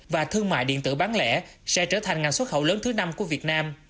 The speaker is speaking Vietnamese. và thương mại điện tử bán lẻ sẽ trở thành ngành xuất khẩu lớn thứ năm của việt nam